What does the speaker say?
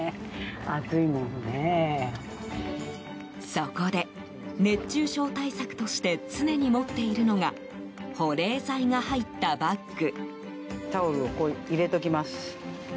そこで、熱中症対策として常に持っているのが保冷剤が入ったバッグ。